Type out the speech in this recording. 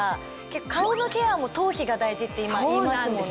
顔のケアも頭皮が大事って今言いますもんね。